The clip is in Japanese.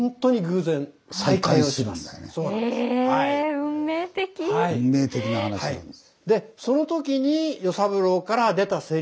運命的な話なんです。